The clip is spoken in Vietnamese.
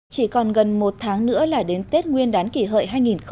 chỉ còn gần một tháng nữa là đến tết nguyên đán kỷ hợi hai nghìn một mươi chín